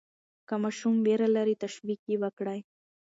که ماشوم ویره لري، تشویق یې وکړئ.